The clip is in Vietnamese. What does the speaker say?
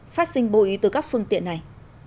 phát sinh bụi từ các phương tiện này